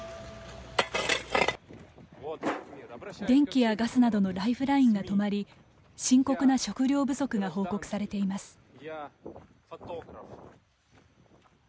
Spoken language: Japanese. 電気やガスなどのライフラインが止まり深刻な食料不足が報告されています。